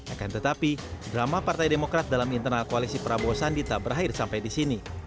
akan tetapi drama partai demokrat dalam internal koalisi prabowo sandi tak berakhir sampai di sini